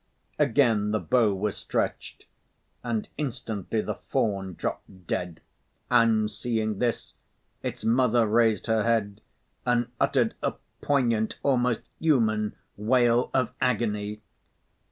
Again the bow was stretched, and instantly the fawn dropped dead, and seeing this, its mother raised her head and uttered a poignant, almost human wail of agony.